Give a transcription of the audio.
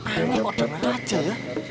aneh kok denger aja ya